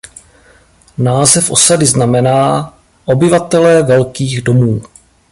Název osady znamená "obyvatelé velkých domů".